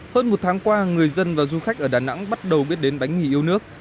hơn một tháng qua người dân và du khách ở đà nẵng bắt đầu biết đến bánh mì yêu nước